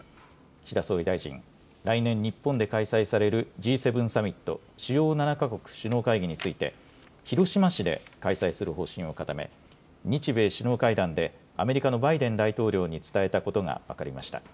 岸田総理大臣、来年日本で開催されるＧ７サミット・主要７か国首脳会議について、広島市で開催する方針を固め、日米首脳会談でアメリカのバイデン大統領に伝えたことが分かりました。